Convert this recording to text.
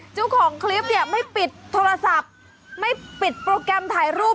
เจ้าของคลิปเนี่ยไม่ปิดโทรศัพท์ไม่ปิดโปรแกรมถ่ายรูป